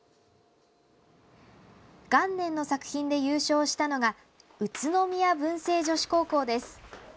元年の作品で優勝したのが宇都宮文星女子高校です。